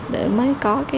để mới có cái